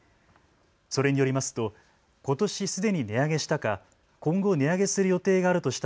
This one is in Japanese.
それによりますとことしすでに値上げしたか今後、値上げする予定があるとし